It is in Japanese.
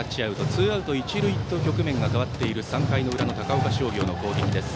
ツーアウト、一塁と局面が変わっている３回裏の高岡商業の攻撃です。